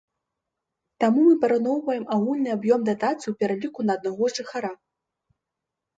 Таму мы параўноўваем агульны аб'ём датацый у пераліку на аднаго жыхара.